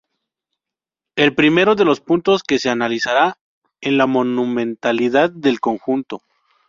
El primero de los puntos que se analizará es la monumentalidad del conjunto.